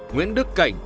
nguyễn đức cảnh